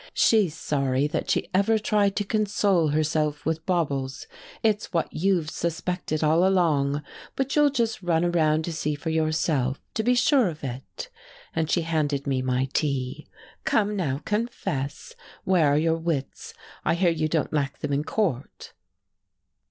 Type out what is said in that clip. She's sorry that she ever tried to console herself with baubles it's what you've suspected all along. But you'll just run around to see for yourself to be sure of it." And she handed me my tea. "Come now, confess. Where are your wits I hear you don't lack them in court."